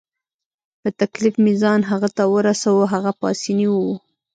په تکلیف مې ځان هغه ته ورساوه، هغه پاسیني وو.